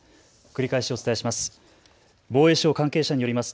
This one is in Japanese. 繰り返しお伝えします。